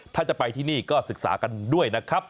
ท่ายังไงก็ไปศึกษากันด้วยนะครับ